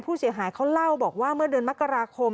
ผู้เสียหายเขาเล่าบอกว่าเมื่อเดือนมกราคม